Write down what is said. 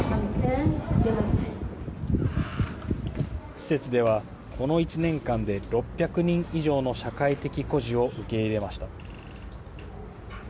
施設では、この１年間で６００人以上の社会的孤児を受け入れました。